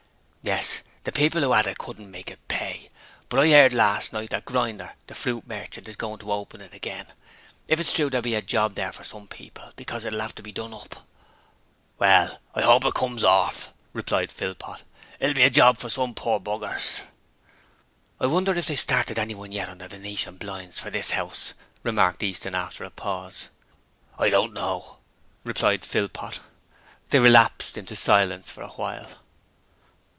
'Yes; the people who 'ad it couldn't make it pay; but I 'eard last night that Grinder the fruit merchant is goin' to open it again. If it's true, there'll be a bit of a job there for someone, because it'll 'ave to be done up.' 'Well, I hope it does come orf replied Philpot. 'It'll be a job for some poor b rs.' 'I wonder if they've started anyone yet on the venetian blinds for this 'ouse?' remarked Easton after a pause. 'I don't know,' replied Philpot. They relapsed into silence for a while.